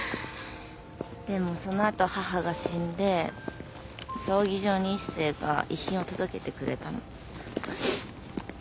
でもそのあと母が死んで葬儀場に一星が遺品を届けてくれたの。